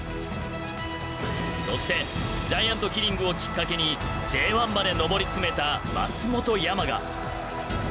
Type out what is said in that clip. そしてジャイアントキリングをきっかけにＪ１まで上り詰めた松本山雅。